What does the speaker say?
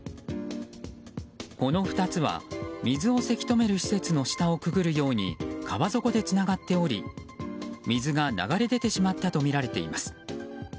この２つは水をせき止める施設の下をくぐるように川底でつながっており水が流れ出てしまったとみられています。